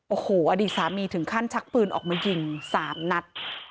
โอ้โหอดีตสามีถึงขั้นชักปืนออกมายิง๓นัด